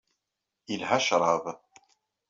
Yelha ccrab.